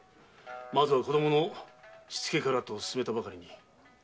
まずは子供のしつけからとすすめたばかりに。